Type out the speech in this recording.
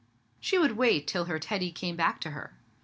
She would wait till her Teddy came back to her.